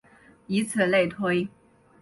以此类推。